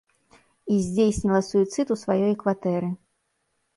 І здзейсніла суіцыд у сваёй кватэры.